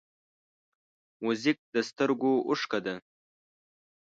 موزیک د سترګو اوښکه ده.